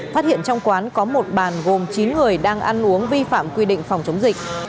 phát hiện trong quán có một bàn gồm chín người đang ăn uống vi phạm quy định phòng chống dịch